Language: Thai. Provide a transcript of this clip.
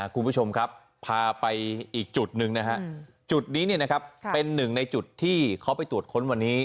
คุณผู้ชมครับพาไปอีกจุดหนึ่งนะฮะจุดนี้เป็นหนึ่งในจุดที่เขาไปตรวจค้นวันนี้